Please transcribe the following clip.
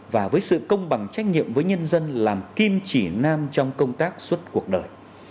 và với sự công bằng trách nhiệm với nhân dân làm kim chỉ nam trong công tác suốt cuộc đời